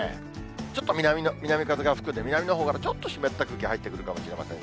ちょっと南風が吹くんで、南のほうからちょっと湿った空気、入ってくるかもしれません。